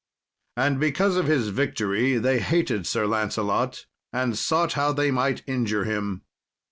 And because of his victory they hated Sir Lancelot, and sought how they might injure him.